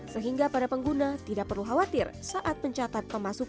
sehingga para pengguna tidak perlu khawatir saat mencatat pemasukan